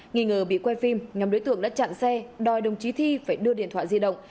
nghĩ ngờ bị quay phim nhóm đối tượng đã chặn xe đòi đồng chí thi phải đưa điện thoại di động